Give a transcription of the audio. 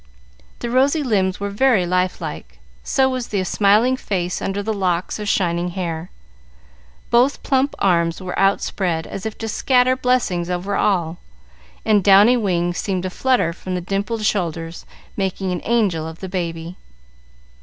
The rosy limbs were very life like, so was the smiling face under the locks of shining hair. Both plump arms were outspread as if to scatter blessings over all, and downy wings seemed to flutter from the dimpled shoulders, making an angel of the baby.